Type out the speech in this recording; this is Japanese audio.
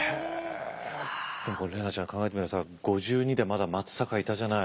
でも怜奈ちゃん考えてみたらさ５２でまだ松坂いたじゃない？